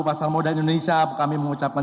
pasar modal indonesia kami mengucapkan